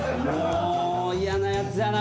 もう嫌なやつやな